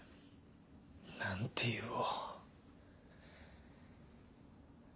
何て言おう。